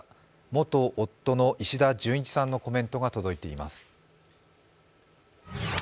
元夫の石田純一さんのコメントが届いています。